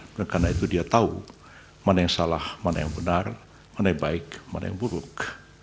dan karena itu dia tahu mana yang salah mana yang benar mana yang baik mana yang buruk